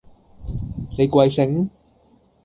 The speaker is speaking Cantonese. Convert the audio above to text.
你貴姓？